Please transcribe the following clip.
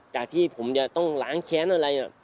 ที่ผมจะต้องล้างแค้นอะไร